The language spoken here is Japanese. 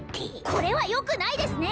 これはよくないですね